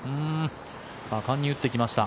果敢に打ってきました。